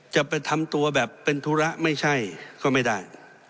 จะไปทำตัวแบบเป็นธุระไม่ใช่ก็ไม่ได้